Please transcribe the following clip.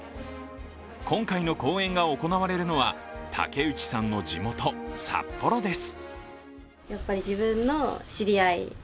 今回の公演が行われるのは竹内さんの地元、札幌です。